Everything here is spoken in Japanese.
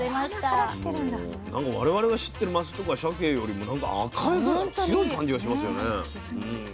もうなんか我々が知ってるマスとかシャケよりもなんか赤いカラーが強い感じがしますよね。